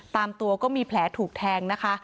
ตามตัวก็มีแผลถูกแทงนะคะ